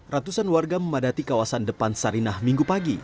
ratusan warga memadati kawasan depan sarinah minggu pagi